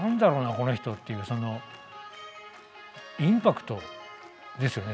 この人っていうそのインパクトですよね